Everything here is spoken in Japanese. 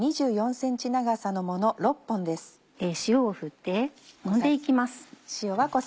塩を振ってもんで行きます。